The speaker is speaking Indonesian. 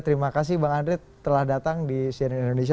terima kasih bang andre telah datang di cnn indonesia